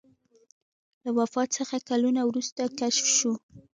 له وفات څخه کلونه وروسته کشف شو.